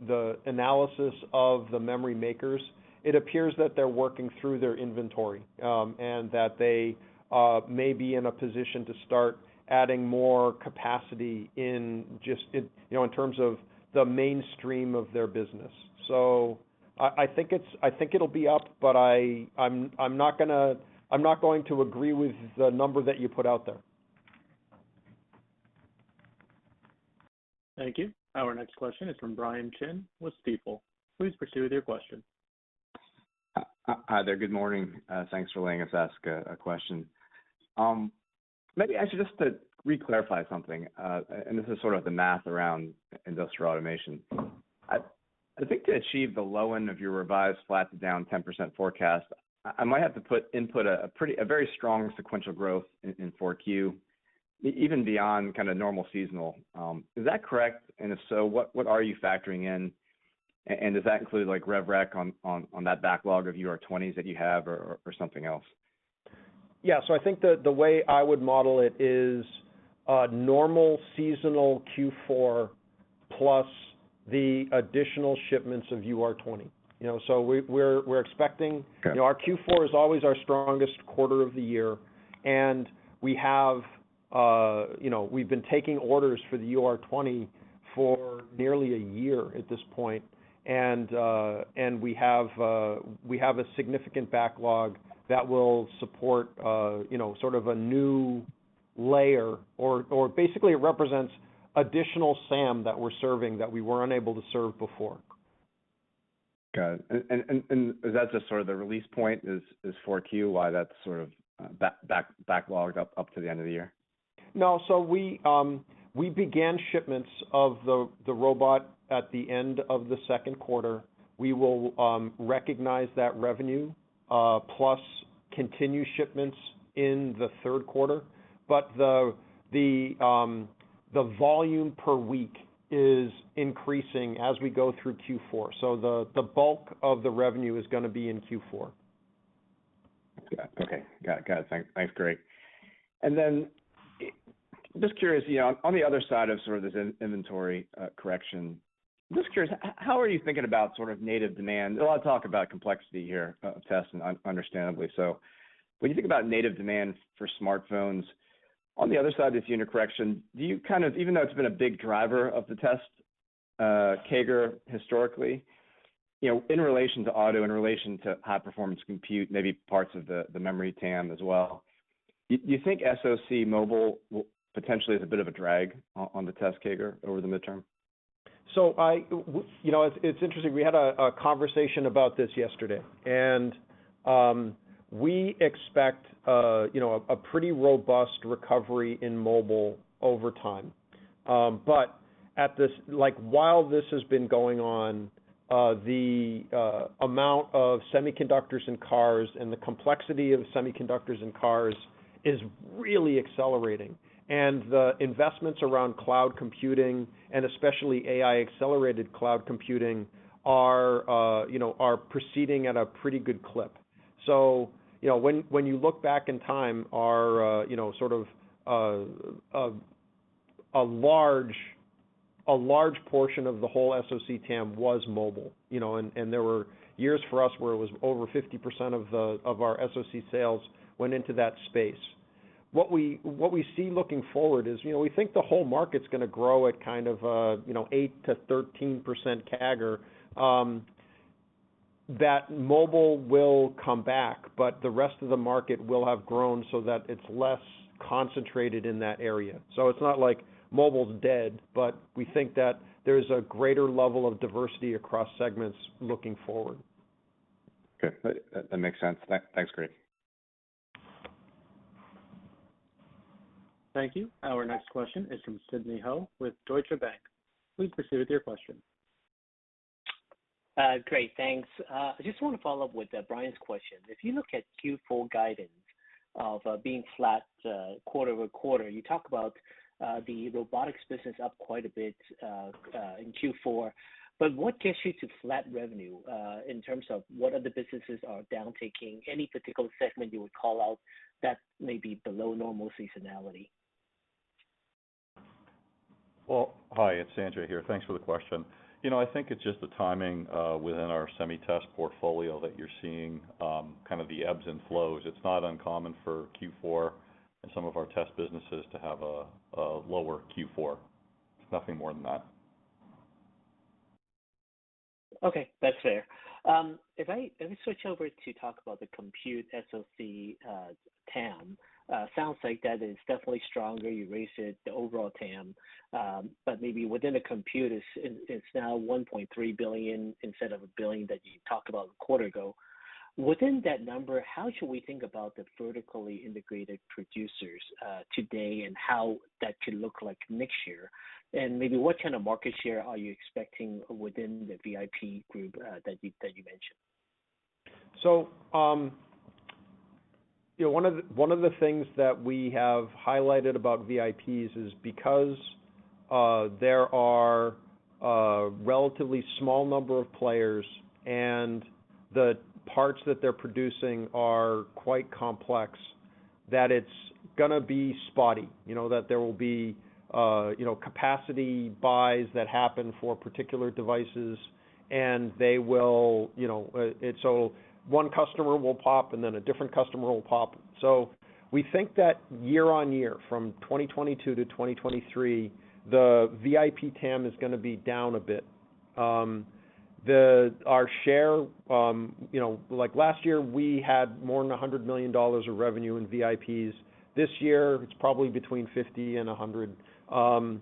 Speaker 3: the analysis of the memory makers, it appears that they're working through their inventory, and that they may be in a position to start adding more capacity in just, you know, in terms of the mainstream of their business. I think it'll be up, but I'm not going to agree with the number that you put out there.
Speaker 1: Thank you. Our next question is from Brian Chin with Stifel. Please proceed with your question.
Speaker 11: Hi there. Good morning. Thanks for letting us ask a question. Maybe, actually, just to reclarify something, and this is sort of the math around industrial automation. I think to achieve the low end of your revised flat to down 10% forecast, I might have to input a very strong sequential growth in 4Q, even beyond kind of normal seasonal. Is that correct? If so, what are you factoring in? Does that include, like, rev rec on that backlog of UR20s that you have or something else?
Speaker 3: Yeah, I think the, the way I would model it is a normal seasonal Q4 plus the additional shipments of UR20. You know, we're expecting.
Speaker 11: Okay.
Speaker 3: You know, our Q4 is always our strongest quarter of the year, and we have, you know, we've been taking orders for the UR20 for nearly a year at this point, and we have, we have a significant backlog that will support, you know, sort of a new layer or, or basically it represents additional SAM that we're serving that we were unable to serve before.
Speaker 11: Got it. Is that just sort of the release point, is 4Q, why that's sort of backlogged up to the end of the year?
Speaker 3: No. We began shipments of the robot at the end of the second quarter. We will recognize that revenue plus continue shipments in the third quarter. The volume per week is increasing as we go through Q4. The bulk of the revenue is gonna be in Q4.
Speaker 11: Got it. Okay. Got it. Thanks. Thanks, Greg. Just curious, you know, on the other side of sort of this in-inventory, correction, just curious, how are you thinking about sort of native demand? A lot of talk about complexity here, of tests, and understandably so. When you think about native demand for smartphones, on the other side of this unit correction, do you kind of, even though it's been a big driver of the test CAGR historically, you know, in relation to auto, in relation to high-performance compute, maybe parts of the memory TAM as well, do you think SoC mobile will potentially is a bit of a drag on, on the test CAGR over the midterm?
Speaker 3: You know, it's interesting. We had a conversation about this yesterday, we expect, you know, a pretty robust recovery in mobile over time. While this has been going on, the amount of semiconductors in cars and the complexity of semiconductors in cars is really accelerating. The investments around cloud computing, and especially AI-accelerated cloud computing, are, you know, are proceeding at a pretty good clip. You know, when you look back in time, our, you know, a large portion of the whole SoC TAM was mobile, you know, there were years for us where it was over 50% of our SoC sales went into that space. What we see looking forward is, you know, we think the whole market's gonna grow at kind of a, you know, 8%-13% CAGR. That mobile will come back, but the rest of the market will have grown so that it's less concentrated in that area. It's not like mobile's dead, but we think that there's a greater level of diversity across segments looking forward.
Speaker 11: Okay. That makes sense. Thanks, Greg.
Speaker 1: Thank you. Our next question is from Sidney Ho with Deutsche Bank. Please proceed with your question.
Speaker 12: Great, thanks. I just want to follow up with Brian's question. If you look at Q4 guidance of being flat quarter-over-quarter, you talk about the robotics business up quite a bit in Q4. What gets you to flat revenue in terms of what other businesses are downticking? Any particular segment you would call out that may be below normal seasonality?
Speaker 4: Well, hi, it's Sanjay here. Thanks for the question. You know, I think it's just the timing within our SemiTest portfolio that you're seeing, kind of the ebbs and flows. It's not uncommon for Q4 and some of our test businesses to have a lower Q4. It's nothing more than that.
Speaker 12: Okay, that's fair. If I, let me switch over to talk about the compute SoC, TAM. Sounds like that is definitely stronger. You raised it, the overall TAM, but maybe within the compute, it's, it's now $1.3 billion instead of $1 billion that you talked about a quarter ago. Within that number, how should we think about the vertically integrated producers today and how that should look like next year? Maybe what kind of market share are you expecting within the VIP group that you mentioned?
Speaker 3: You know, one of the, one of the things that we have highlighted about VIPs is because there are a relatively small number of players and the parts that they're producing are quite complex, that it's gonna be spotty. You know, that there will be, capacity buys that happen for particular devices, and they will, you know. One customer will pop, and then a different customer will pop. We think that year-on-year, from 2022 to 2023, the VIP TAM is gonna be down a bit. Our share, you know, like last year, we had more than $100 million of revenue in VIPs. This year, it's probably between $50 million and $100 million.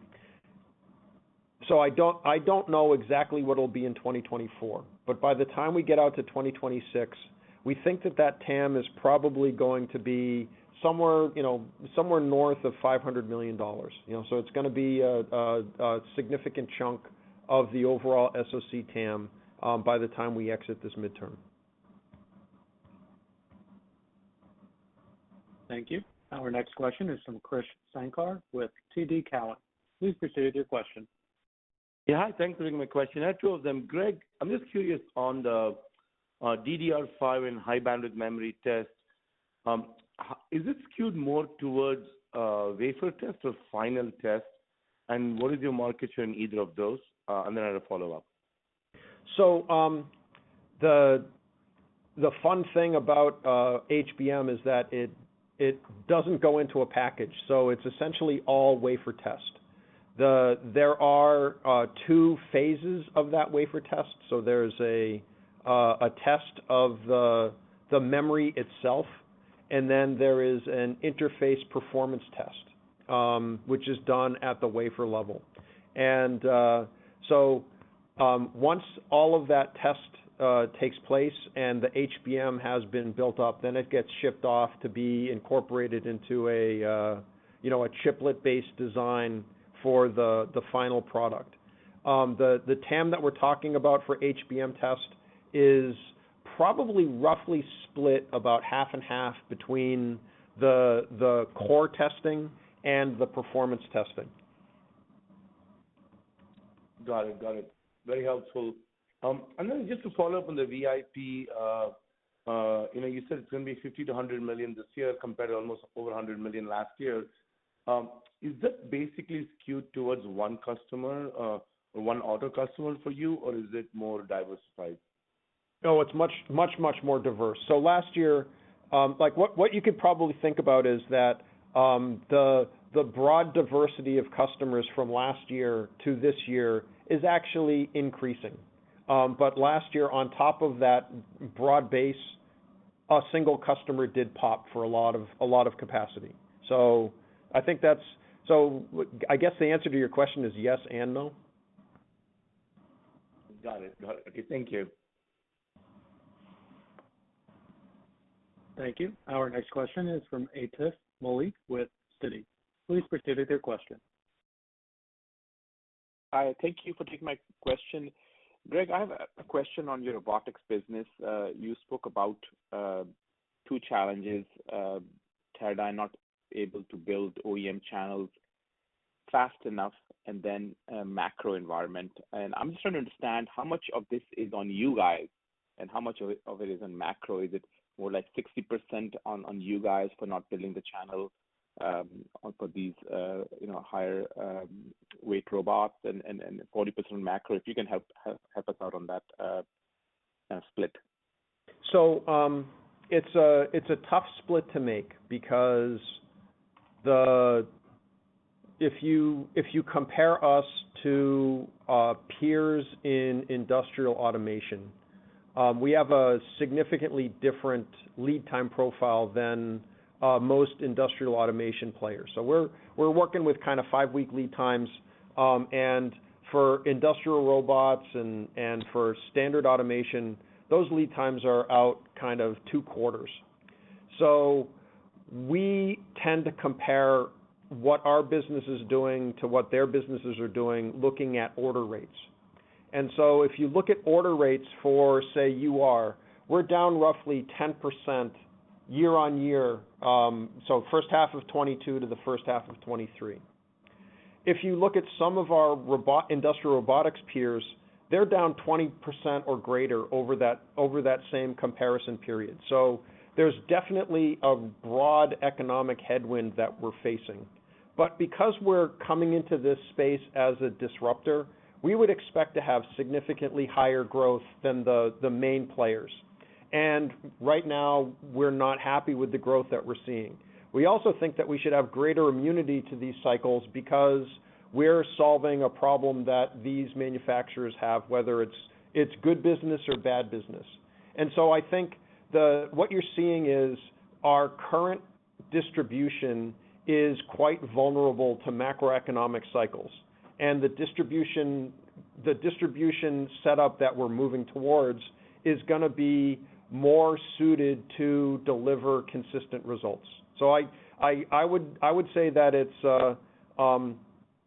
Speaker 3: I don't, I don't know exactly what it'll be in 2024, but by the time we get out to 2026, we think that that TAM is probably going to be somewhere, you know, somewhere north of $500 million. You know, it's gonna be a, a, a significant chunk of the overall SoC TAM by the time we exit this midterm.
Speaker 1: Thank you. Our next question is from Krish Sankar with TD Cowen. Please proceed with your question.
Speaker 13: Yeah. Hi, thanks for taking my question. I have two of them. Greg, I'm just curious on the DDR5 and high-bandwidth memory test. Is it skewed more towards wafer test or final test? What is your market share in either of those? Then I have a follow-up.
Speaker 3: The fun thing about HBM is that it doesn't go into a package, so it's essentially all wafer test. There are two phases of that wafer test. There's a test of the memory itself, and then there is an interface performance test, which is done at the wafer level. Once all of that test takes place and the HBM has been built up, then it gets shipped off to be incorporated into a, you know, a chiplet-based design for the final product. The TAM that we're talking about for HBM test is probably roughly split about half and half between the core testing and the performance testing.
Speaker 13: Got it. Got it. Very helpful. Just to follow up on the VIP, you know, you said it's gonna be $50 million to $100 million this year, compared to almost over $100 million last year. Is that basically skewed towards one customer, or one auto customer for you, or is it more diversified?
Speaker 3: No, it's much, much, much more diverse. Last year, like, what you could probably think about is that the broad diversity of customers from last year to this year is actually increasing. Last year, on top of that broad base, a single customer did pop for a lot of capacity. I think I guess the answer to your question is yes and no.
Speaker 13: Got it. Got it. Okay, thank you.
Speaker 1: Thank you. Our next question is from Atif Malik with Citi. Please proceed with your question.
Speaker 14: Hi, thank you for taking my question. Greg, I have a question on your robotics business. You spoke about two challenges, Teradyne not able to build OEM channels fast enough and then macro environment. I'm just trying to understand how much of this is on you guys and how much of it is on macro? Is it more like 60% on you guys for not building the channel for these, you know, higher weight robots and 40% macro? If you can help us out on that split.
Speaker 3: It's a tough split to make because if you, if you compare us to peers in industrial automation, we have a significantly different lead time profile than most industrial automation players. We're working with kind of 5-week lead times, and for industrial robots and for standard automation, those lead times are out kind of two quarters. We tend to compare what our business is doing to what their businesses are doing, looking at order rates. If you look at order rates for, say, UR, we're down roughly 10% year-over-year, so first half of 2022 to the first half of 2023. If you look at some of our industrial robotics peers, they're down 20% or greater over that same comparison period. There's definitely a broad economic headwind that we're facing. Because we're coming into this space as a disruptor, we would expect to have significantly higher growth than the main players. Right now, we're not happy with the growth that we're seeing. We also think that we should have greater immunity to these cycles because we're solving a problem that these manufacturers have, whether it's, it's good business or bad business. I think what you're seeing is our current distribution is quite vulnerable to macroeconomic cycles, and the distribution setup that we're moving towards is gonna be more suited to deliver consistent results. I would say that it's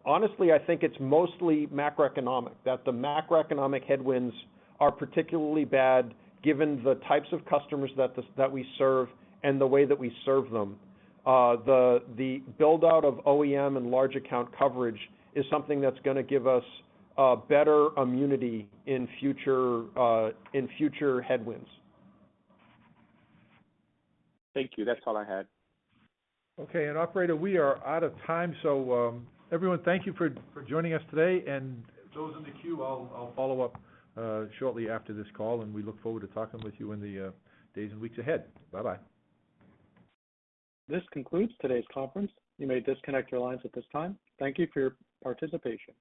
Speaker 3: honestly, I think it's mostly macroeconomic, that the macroeconomic headwinds are particularly bad, given the types of customers that we serve and the way that we serve them. The build-out of OEM and large account coverage is something that's gonna give us better immunity in future, in future headwinds.
Speaker 14: Thank you. That's all I had.
Speaker 3: Okay, operator, we are out of time, so everyone, thank you for joining us today. Those in the queue, I'll follow up shortly after this call, and we look forward to talking with you in the days and weeks ahead. Bye-bye.
Speaker 1: This concludes today's conference. You may disconnect your lines at this time. Thank you for your participation.